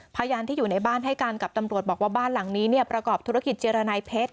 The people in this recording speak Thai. พยานที่อยู่ในบ้านให้การกับตำรวจบอกว่าบ้านหลังนี้ประกอบธุรกิจเจรนายเพชร